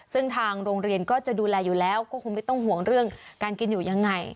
ซึ่งทางโรงเรียนก็จะดูแลอยู่แล้วก็คงไม่ต้องห่วงเรื่องการกินอยู่ยังไง